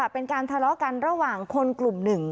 เป็นการทะเลาะกันระหว่างคนกลุ่มหนึ่ง